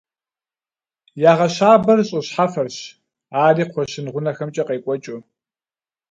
Ягъэщабэр щӏы щхьэфэрщ, ари кхъуэщын гъунэхэмкӏэ къекӏуэкӏыу.